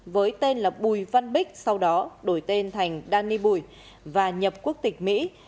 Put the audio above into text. với tên là bùi văn bích sau đó đổi tên thành dani bùi và nhập quốc tịch mỹ